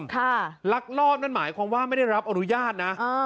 ลักลอบนั่นหมายความว่าไม่ได้รับอนุญาตนะ